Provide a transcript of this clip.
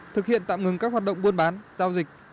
thực hiện tạm ngừng các hoạt động buôn bán giao dịch